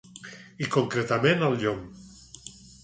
I concretament al llom.